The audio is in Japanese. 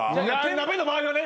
鍋の場合はね。